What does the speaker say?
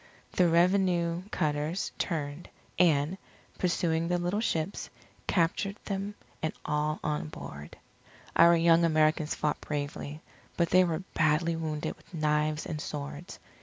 The revenue cutters turned, and, pursuing the little ships, captured them and all on board. Our young Americans fought bravely, but they were badly wounded with knives and swords.